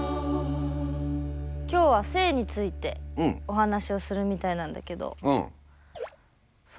今日は性についてお話をするみたいなんだけど。